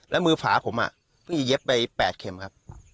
แล้วมือฝาผมอ่ะเพิ่งจะเย็บไปแปดเข็มครับ